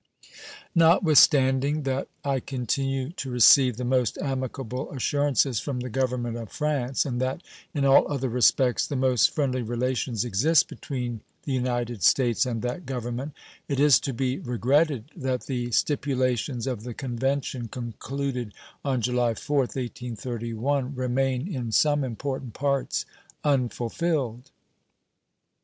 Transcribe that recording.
Not withstanding that I continue to receive the most amicable assurances from the Government of France, and that in all other respects the most friendly relations exist between the United States and that Government, it is to be regretted that the stipulations of the convention concluded on July 4th, 1831 remain in some important parts unfulfilled.